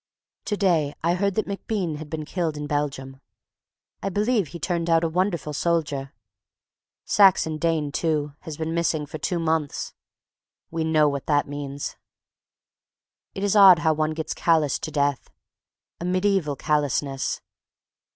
To day I heard that MacBean had been killed in Belgium. I believe he turned out a wonderful soldier. Saxon Dane, too, has been missing for two months. We know what that means. It is odd how one gets callous to death, a mediaeval callousness.